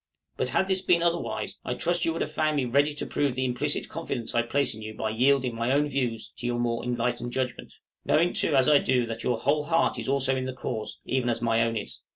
But had this been otherwise, I trust you would have found me ready to prove the implicit confidence I place in you by yielding my own views to your more enlightened judgment; knowing too as I do that your whole heart also is in the cause, even as my own is.